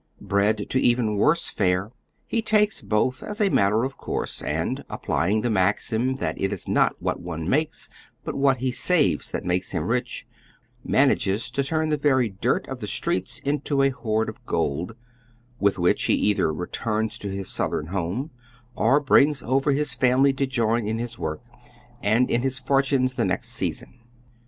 lived to even woi'sc fare, lie takes both as a matter of course, and, applying tlii' maxim that it is not what one makes but what ho saves tliat makes him rich, manages to tnrn the very dirt of the streets into a hoard of gold, with which he either returns to his Southern home, or brings over his family to join in his work and in his fortunes the ne.xt season.